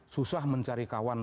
susah mencari kawan